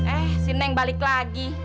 eh si neng balik lagi